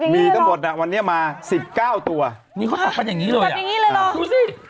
เมียถ้าหมดแหละวันนี้มา๑๐๑๙ตัวจับอย่างงี้เลยหรอ